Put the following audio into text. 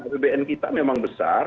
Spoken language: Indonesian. apbn kita memang besar